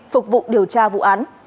phục vụ điều tra vụ án